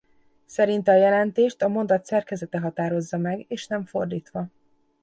Szerinte a jelentést a mondat szerkezete határozza meg és nem fordítva.